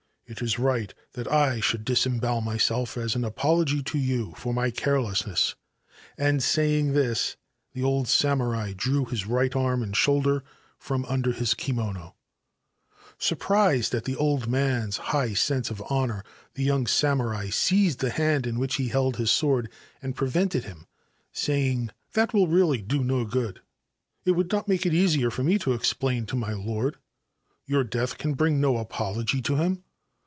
It is right that I should disembowel yself as an apology to you for my carelessness.' And, ying this, the old samurai drew his right arm and toulder from under his kimono. Surprised at the old man's high sense of honour, the )ung samurai seized the hand in which he held his sword id prevented him, saying :' That will really do no good. It would not make it ,sier for me to explain to my lord. Your death can ing no apology to him.